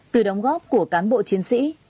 từ đóng góp của cán bộ chiến sĩ